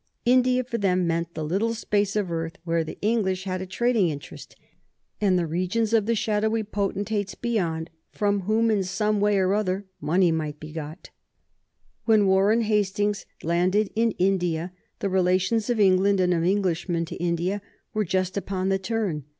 India for them meant the little space of earth where the English had a trading interest, and the regions of the shadowy potentates beyond from whom in some way or other money might be got. [Sidenote: 1750 Suraj ud Dowlah] When Warren Hastings landed in India the relations of England and of Englishmen to India were just upon the turn.